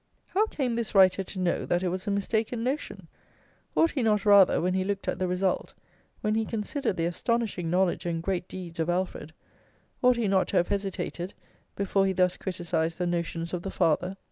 How came this writer to know that it was a mistaken notion? Ought he not rather, when he looked at the result, when he considered the astonishing knowledge and great deeds of Alfred ought he not to have hesitated before he thus criticised the notions of the father?